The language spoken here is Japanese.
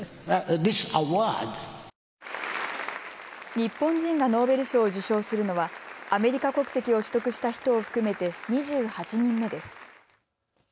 日本人がノーベル賞を受賞するのはアメリカ国籍を取得した人を含めて２８人目です。